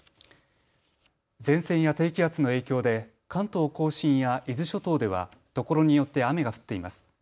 前線や低気圧の影響で関東甲信や伊豆諸島では所によって雨が降っています。